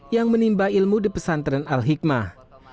yang menimba ilmu di pesantren al hikmah